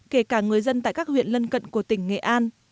kể cả người dân tại các huyện lân cận của tỉnh nghệ an